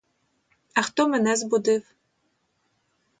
А хто мене збудив?